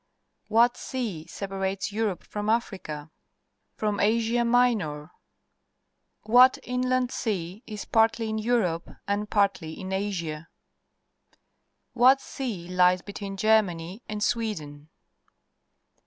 What sea separates Europe from Africa? From Asia Minor? What inland sea is partly in Europe and partly in Asia ? What sea lies between Germany and Sweden?